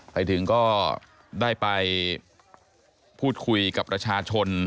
ไปถึงก็ได้ไปพูดคุยกับประชาชน